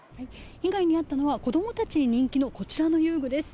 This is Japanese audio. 被害に遭ったのは、子どもたちに人気のこちらの遊具です。